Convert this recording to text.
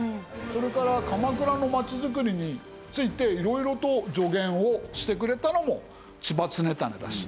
それから鎌倉の街づくりについて色々と助言をしてくれたのも千葉常胤だし。